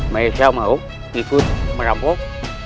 maesha mau ikut merampok